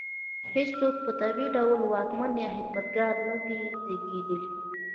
هېڅوک په طبیعي ډول واکمن یا خدمتګار نه دی زېږېدلی.